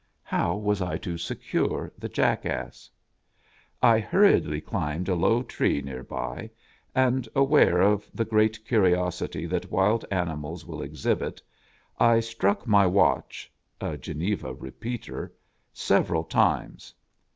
How was I to secure the Jackass ? I hurriedly climbed a low tree near by, and, aware of the great curiosity that wild animals will exhibit, I struck my watch (a Geneva repeater) several times.